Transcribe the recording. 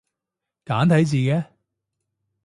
簡體字嘅